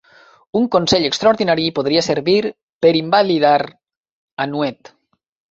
Un consell extraordinari podria servir per invalidar a Nuet